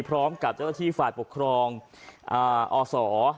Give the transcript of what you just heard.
พร้อมกับเจ้าหน้าที่ฝ่ายปกครองอศ